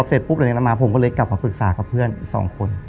เสร็จปุ๊บหลังจากนั้นมาผมก็เลยกลับมาปรึกษากับเพื่อนอีกสองคน